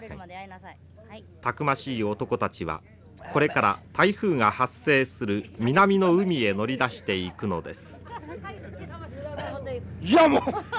たくましい男たちはこれから台風が発生する南の海へ乗り出していくのです。